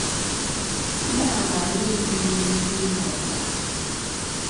Maama alina ennimiro e Kyebbumba.